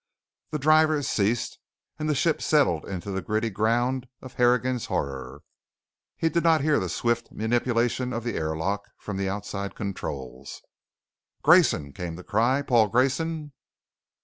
The drivers ceased and the ship settled into the gritty ground of Harrigan's Horror. He did not hear the swift manipulation of the airlock from the outside controls. "Grayson" came the cry. "Paul Grayson!"